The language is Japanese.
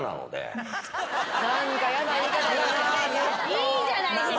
・いいじゃないですか。